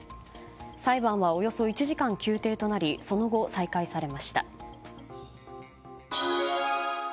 裁判はおよそ１時間休廷となりその後、再開されました。